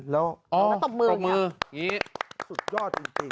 แล้วตบมืออย่างนี้